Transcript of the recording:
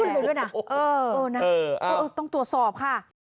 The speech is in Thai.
ถ้าตอบตรวจสอบครับ